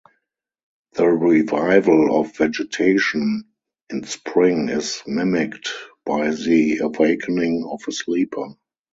The revival of vegetation in spring is mimicked by the awakening of a sleeper.